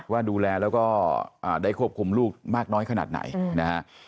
ว่าดูแลแล้วก็ได้ควบคุมลูกมากน้อยขนาดไหนนะฮะ